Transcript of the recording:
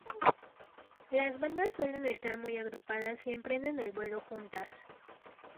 Las bandadas suelen estar muy agrupadas y emprenden el vuelo juntas.